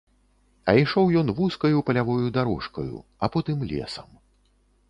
А ішоў ён вузкаю палявою дарожкаю, а потым лесам.